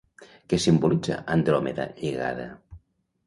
Què simbolitza Andròmeda lligada?